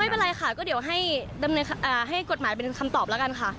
ไม่เป็นไรค่ะก็เดี๋ยวให้กฎหมายเป็นคำตอบแล้วกันค่ะ